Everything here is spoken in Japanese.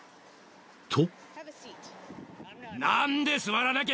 ［と］